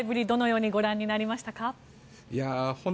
どのようにご覧になりましたか？